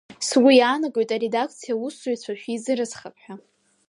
Сгәы иаанагоит аредакциа аусзуҩцәа шәизыразхап ҳәа.